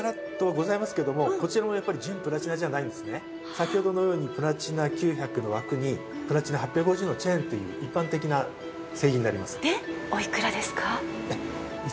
先ほどのようにプラチナ９００の枠にプラチナ８５０のチェーンという一般的な製品になります。